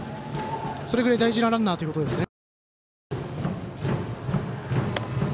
それぐらい大事なランナーということですね。